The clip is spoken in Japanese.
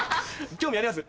興味あります？